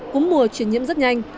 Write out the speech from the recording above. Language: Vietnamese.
cúm mùa chuyển nhiễm rất nhanh